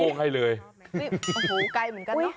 โอ้โหไกลเหมือนกันเนาะ